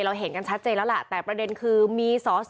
เห็นกันชัดเจนแล้วล่ะแต่ประเด็นคือมีสอสอ